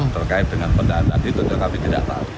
terkait dengan pendanaan itu kami tidak tahu